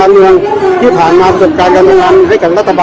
อันที่สุดท้ายก็คืออันที่สุดท้ายก็คืออั